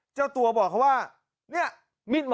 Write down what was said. เจ้าตัวบอกเขาว่าเนี่ย